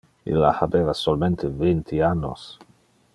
Illa habeva solmente vinti annos.